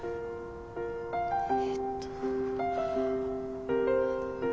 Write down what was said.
えっと。